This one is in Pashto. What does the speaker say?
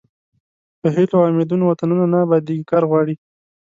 په هیلو او امیدونو وطنونه نه ابادیږي کار غواړي.